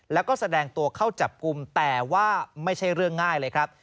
แล้วก็แสดงตัวเข้าจับกลุ่มแต่ว่าไม่ใช่เรื่องง่ายเลยครับ